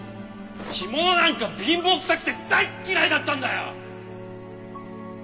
干物なんか貧乏くさくて大嫌いだったんだよ！